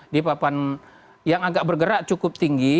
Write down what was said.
di papan yang agak bergerak cukup tinggi